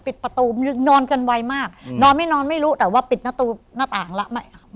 ปิดประตูนอนกันไวมากนอนไม่นอนไม่รู้แต่ว่าปิดหน้าต่างแล้วไม่ค่ะ